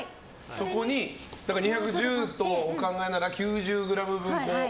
そこに、だから２１０とお考えなら９０ｇ分。